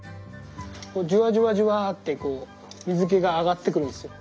ジュワジュワジュワってこう水けが上がってくるんですよ。